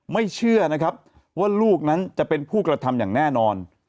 เชื่อนะครับว่าลูกนั้นจะเป็นผู้กระทำอย่างแน่นอน